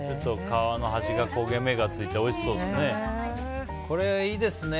皮の端が焦げ目がついておいしそうですね。